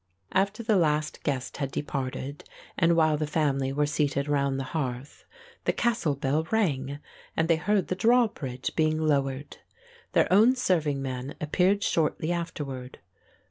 After the last guest had departed, and while the family were seated round the hearth, the castle bell rang and they heard the drawbridge being lowered. Their own serving man appeared shortly afterward.